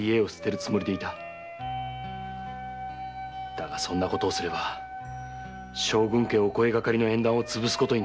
だがそんなことをすれば将軍家お声がかりの縁談をつぶすことに。